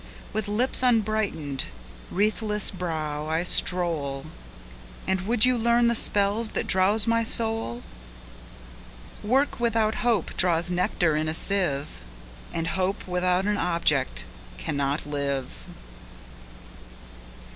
10 With lips unbrighten'd, wreathless brow, I stroll: And would you learn the spells that drowse my soul? Work without Hope draws nectar in a sieve, And Hope without an object cannot live.